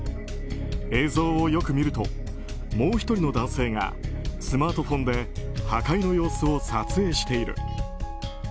映像をよく見るともう１人の男性がスマートフォンで破壊の様子を撮影している。